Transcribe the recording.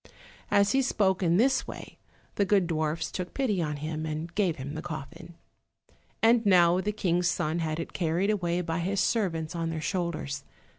As he spoke in this way the good dwarfs took pity upon him, and gave him the coffin. And now the King's son had it carried away by his servants on their shoulders.